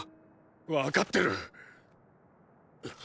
わかってる！